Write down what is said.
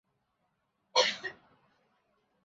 এখন দুইটি প্রশ্ন দেখা দিতেছে।